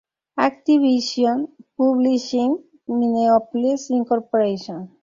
Activision Publishing Minneapolis, Inc.